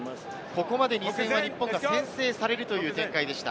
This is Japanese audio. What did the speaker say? ここまで２戦は日本が先制されるという展開でした。